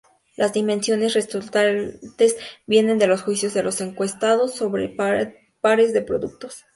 Las dimensiones resultantes vienen de los juicios de los encuestados sobre pares de productos.